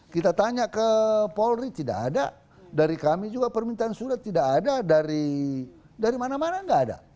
kita tanya ke polri tidak ada dari kami juga permintaan sudah tidak ada dari mana mana tidak ada